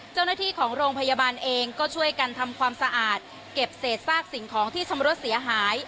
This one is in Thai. เจ้าหน้าที่ของโรงพยาบาลเองก็ช่วยกันทำความสะอาดเก็บเศษซากสิ่งของที่ชำรุดเสียหาย